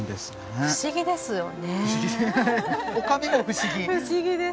不思議ですね。